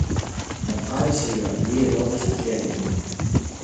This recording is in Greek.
μου χάρισε η αυγή ρόδα στα χέρια.